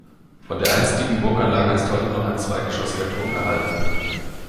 Von der einstigen Burganlage ist heute noch ein zweigeschossiger Turm erhalten.